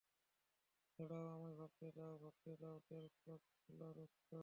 দাঁড়াও, আমায় ভাবতে দাও, ভাবতে দাও, টেলস, চোখ খোলো দোস্ত।